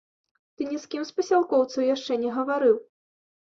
Ты ні з кім з пасялкоўцаў яшчэ не гаварыў?